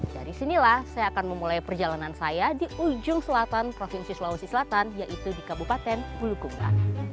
dari sinilah saya akan memulai perjalanan saya di ujung selatan provinsi sulawesi selatan yaitu di kabupaten bulukumba